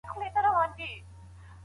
ځینې سردردونه د غاړې ته هم خپرېږي.